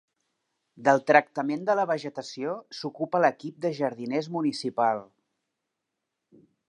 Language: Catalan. Del tractament de la vegetació s'ocupa l'equip de jardiners municipal.